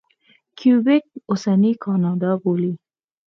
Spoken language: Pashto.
کیوبک اوسنۍ کاناډا بولي.